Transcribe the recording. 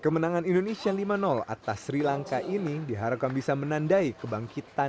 kemenangan indonesia lima atas sri lanka ini diharapkan bisa menandai kebangkitan